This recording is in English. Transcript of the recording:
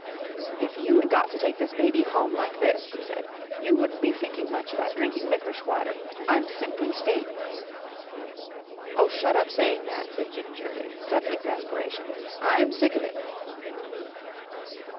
"If you'd got to take this baby home like this," he said, "you wouldn't be thinking much about drinking licorice water. I'm simply statin' " "Oh, shut up saying that!" said Ginger in sudden exasperation. "I'm sick of it."